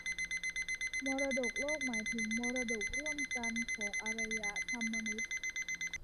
มรดกโลกหมายถึงมรดกร่วมกันของอารยธรรมมนุษย์